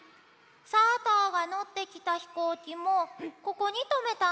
さぁたぁがのってきたひこうきもここにとめたんだよ。